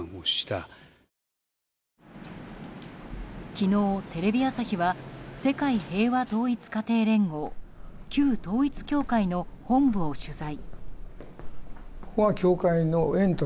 昨日、テレビ朝日は世界平和統一家庭連合旧統一教会の本部を取材。